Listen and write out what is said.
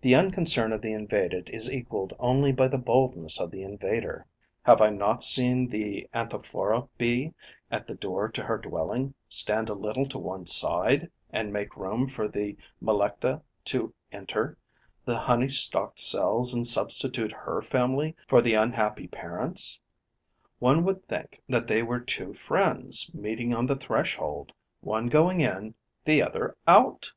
The unconcern of the invaded is equalled only by the boldness of the invader. Have I not seen the Anthophora bee, at the door to her dwelling, stand a little to one side and make room for the Melecta to enter the honey stocked cells and substitute her family for the unhappy parent's? One would think that they were two friends meeting on the threshold, one going in, the other out!